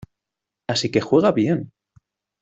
Así que juega bien.